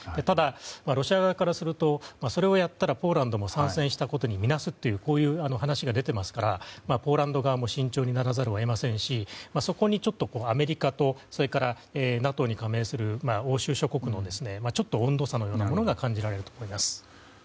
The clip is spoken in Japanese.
ただ、ロシア側からするとそれをやったらポーランドも参戦したことにみなすというこういう話が出ていますからポーランド側も慎重にならざるを得ませんしそこにちょっとアメリカとそれからＮＡＴＯに加盟する欧州諸国のちょっと温度差のようなものが感じられるところです。